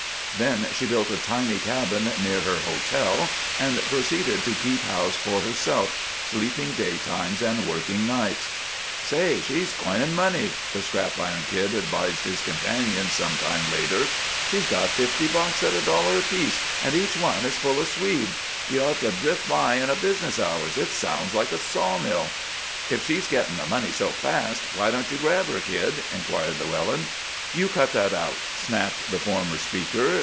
Then she built a tiny cabin near her "hotel," and proceeded to keep house for herself, sleeping daytimes and working nights. "Say, she's coinin' money!" the Scrap Iron Kid advised his companions some time later. "She's got fifty bunks at a dollar apiece, and each one is full of Swede. You'd ought 'o drift by in business hours it sounds like a sawmill." "If she's getting the money so fast, why don't you grab her, Kid?" inquired Llewellyn. "You cut that out!" snapped the former speaker.